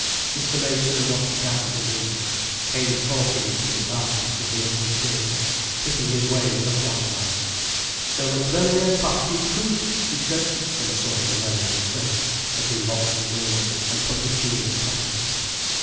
Mr. May turned off the gas at the meter, came talking through the darkness of the empty theatre, picking his way with a flash light. "C'est le premier pas qui coute," he said, in a sort of American French, as he locked the doors and put the key in his pocket.